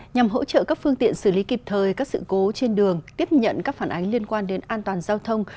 nhằm hỗ trợ các phương tiện xử lý kịp thời các sự cố trên đường tiếp nhận các phản ánh liên quan đến an toàn giao thông